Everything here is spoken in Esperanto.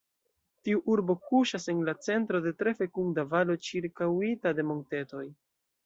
Tiu urbo kuŝas en la centro de tre fekunda valo ĉirkaŭita de montetoj.